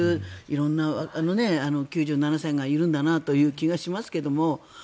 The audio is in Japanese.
色んな９７歳がいるんだなという気がしますけども。